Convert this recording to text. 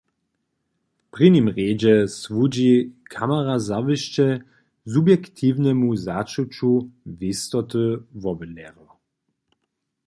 W prěnim rjedźe słuži kamera zawěsće subjektiwnemu začuću wěstoty wobydlerjow.